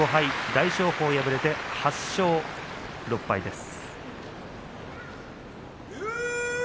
大翔鵬、敗れて８勝６敗です。